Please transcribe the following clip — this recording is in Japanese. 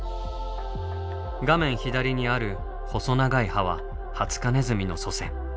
画面左にある細長い歯はハツカネズミの祖先。